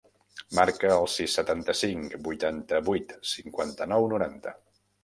Marca el sis, setanta-cinc, vuitanta-vuit, cinquanta-nou, noranta.